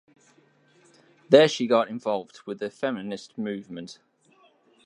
There she got involved with the feminist movement.